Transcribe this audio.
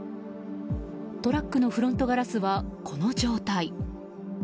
トラックのフロントガラスはこの状態。